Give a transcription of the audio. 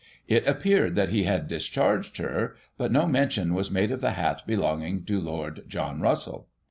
It appeared that he had discharged her, but no mention was made of the hat belonging to Lord John Russell.